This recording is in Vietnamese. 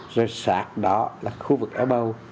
rồi sạc đó là khu vực ấn bầu